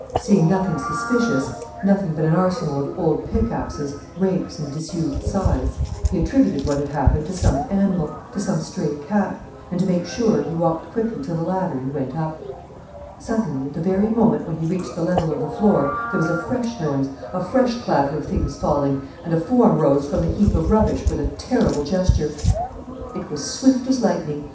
Seeing nothing suspicious, nothing but an arsenal of old pickaxes, rakes, and disused scythes, he attributed what had happened so some animal, to some stray cat; and, to make sure, he walked quickly to the ladder and went up. Suddenly, at the very moment when he reached the level of the floor, there was a fresh noise, a fresh clatter of things falling: and a form rose from the heap of rubbish with a terrible gesture. It was swift as lightning.